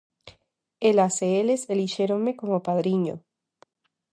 Elas e eles elixíronme como Padriño.